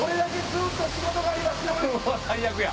最悪や！